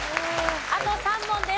あと３問です。